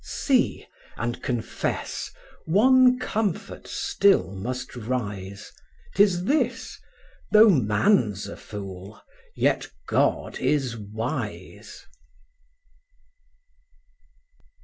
See! and confess, one comfort still must rise, 'Tis this, though man's a fool, yet God is wise.